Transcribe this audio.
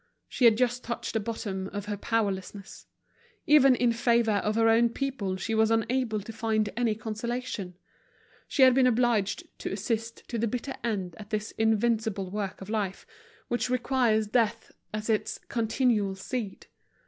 She had just touched the bottom of her powerlessness. Even in favor of her own people she was unable to find any consolation. She had been obliged to assist to the bitter end at this invincible work of life which requires death as its continual seed.